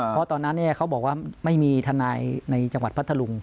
เพราะตอนนั้นเขาบอกว่าไม่มีทนายในจังหวัดพัทธลุง